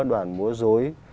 đoàn múa dối